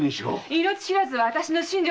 命知らずは私の身上！